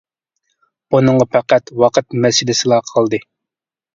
بۇنىڭغا پەقەت ۋاقىت مەسىلىسىلا قالدى.